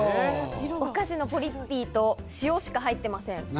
お菓子のポリッピーと塩しか入っていません。